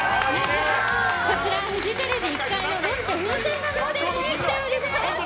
こちらフジテレビ１階のロッテふせんガムステージに来ております！